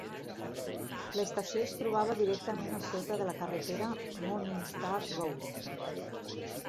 L'estació es trobava directament a sota de la carretera Morningstar Road.